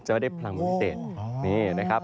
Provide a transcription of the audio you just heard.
จะได้พลังเป็นพิเศษ